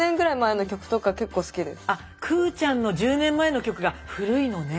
くぅちゃんの１０年前の曲が古いのね。